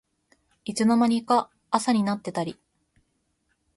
いつの間にか朝になってたり